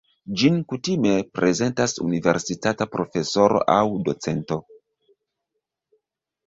Ĝin kutime prezentas universitata profesoro aŭ docento.